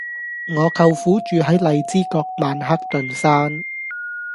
我舅父住喺荔枝角曼克頓山